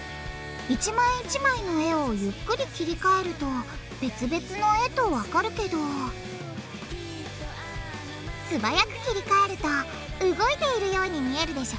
一枚一枚の絵をゆっくり切り替えると別々の絵とわかるけど素早く切り替えると動いているように見えるでしょ！